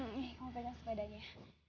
kamu pegang sepedanya